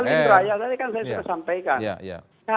betul sekali pak ya tadi kan saya sudah sampaikan